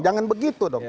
jangan begitu dong